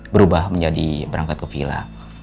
berubah menjadi berangkat ke villa